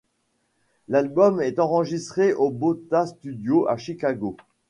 L'album est enregistré au Bota Studio à Chicago.